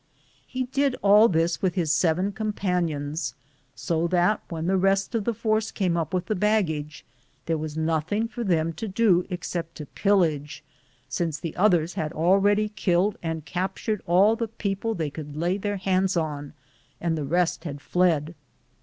He did all this with hia seven compan ions, so that when the rest of the force came up with the baggage there was nothing for ' hem to do except to pillage, since the others had already killed ana captured all the peo ple they could lay their hands on and the rest had fled.